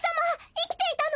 いきていたの？